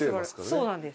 そうなんです。